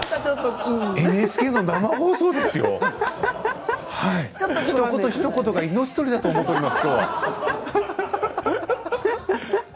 ＮＨＫの生放送ですよひと言ひと言が命取りだと思っております